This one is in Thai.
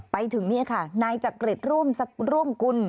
ไปถึงนี่ค่ะนายจักริตร่วมกุล